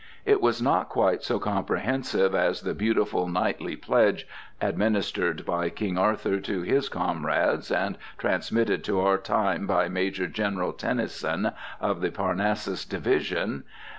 It was not quite so comprehensive as the beautiful knightly pledge administered by King Arthur to his comrades, and transmitted to our time by Major General Tennyson of the Parnassus Division.